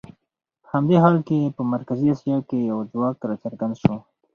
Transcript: په همدې حال کې په مرکزي اسیا کې یو ځواک راڅرګند شو.